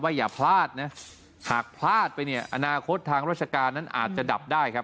อย่าพลาดนะหากพลาดไปเนี่ยอนาคตทางราชการนั้นอาจจะดับได้ครับ